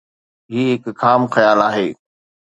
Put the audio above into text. هي هڪ خام خيال آهي.